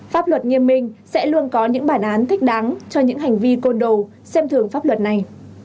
pháp luật nghiêm minh sẽ luôn có những bản án thích đáng cho những hành vi côn đồ xem thường pháp luật này